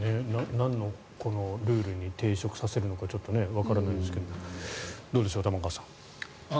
なんのルールに抵触させるのかわからないですがどうでしょう、玉川さん。